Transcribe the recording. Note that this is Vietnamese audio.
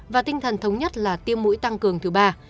và tinh thần thống nhất là tiêm mũi tăng cường thứ ba